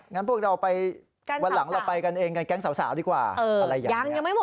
งั้นพวกเราไปวันหลังเราไปกันเองกับแก๊งสาวดีกว่าอะไรอย่างนี้